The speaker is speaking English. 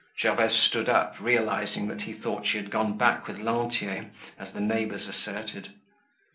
Gervaise stood up, realizing that he thought she had gone back with Lantier as the neighbors asserted.